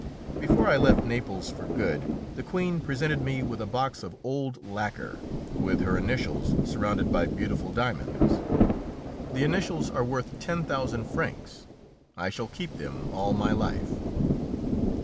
Before I left Naples for good the Queen presented me with a box of old lacquer, with her initials surrounded by beautiful diamonds. The initials are worth ten thousand francs; I shall keep them all my life.